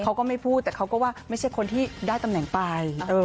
เขาก็ไม่พูดแต่เขาก็ว่าไม่ใช่คนที่ได้ตำแหน่งไป